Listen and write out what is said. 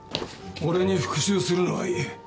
俺に復讐するのはいい